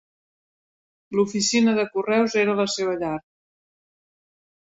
L"oficina de correus era la seva llar.